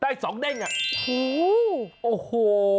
ได้สองเด้งโอ้โห